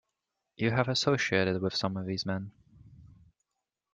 You have associated with some of these men.